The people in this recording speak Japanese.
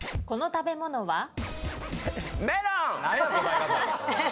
この食べ物は？